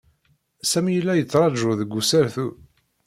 Sami yella yettṛaju deg usartu.